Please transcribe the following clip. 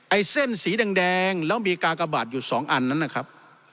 ไอ้เส้นสีแดงแล้วมีกากบาทอยู่สองอันนั้นนะครับ